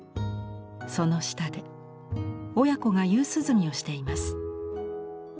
その下で親子が夕涼みをしています。